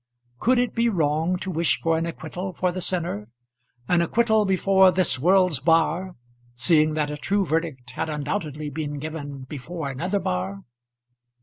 Could it be wrong to wish for an acquittal for the sinner, an acquittal before this world's bar, seeing that a true verdict had undoubtedly been given before another bar?